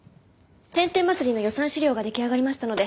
天天祭りの予算資料が出来上がりましたのでご確認下さい。